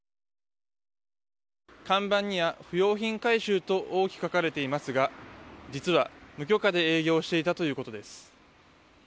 看板には、不用品回収と大きく書かれていますが実は無許可で営業していたということです。